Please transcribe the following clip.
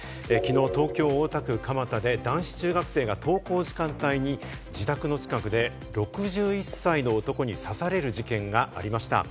昨日、東京・大田区蒲田で、男子中学生が登校時間帯に自宅の近くで６１歳の男に刺される事件がありました。